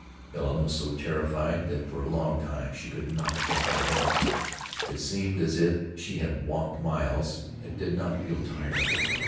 Helen was so terrified that for a long time she could not think coherently. It seemed as if she had walked miles, yet did not feel tired.